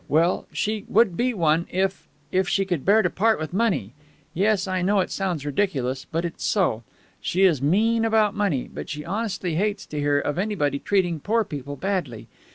Well, she would be one, if if she could bear to part with money. Yes, I know it sounds ridiculous. But it's so. She is mean about money, but she honestly hates to hear of anybody treating poor people badly.